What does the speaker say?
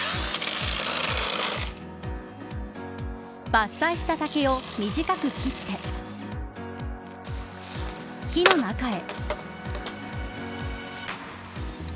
伐採した竹を短く切って火の中へ。